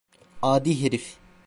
Adi herif.